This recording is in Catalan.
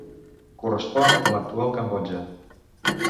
Correspon a l'actual Cambodja.